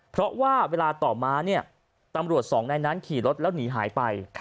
เพราะว่าเวลาต่อมาเนี่ยตำรวจสองนายนั้นขี่รถแล้วหนีหายไป